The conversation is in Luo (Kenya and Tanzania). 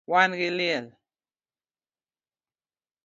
Wan gi liel